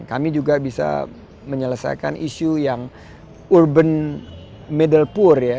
kami juga bisa menyelesaikan isu yang urban middle power ya